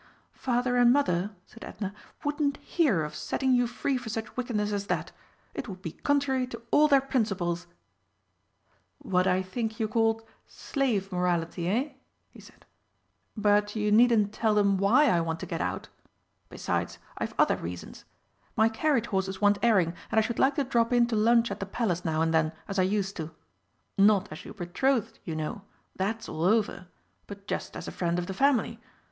"Father and Mother," said Edna, "wouldn't hear of setting you free for such wickedness as that. It would be contrary to all their principles." "What I think you called 'Slave morality,' eh?" he said. "But you needn't tell them why I want to get out. Besides, I've other reasons. My carriage horses want airing, and I should like to drop in to lunch at the Palace now and then, as I used to. Not as your betrothed, you know that's all over but just as a friend of the family.